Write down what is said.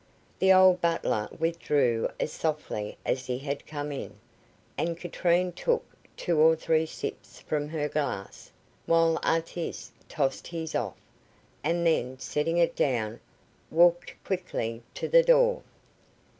The old butler withdrew as softly as he had come in, and Katrine took two or three sips from her glass, while Artis tossed his off, and then, setting it down, walked quickly to the door.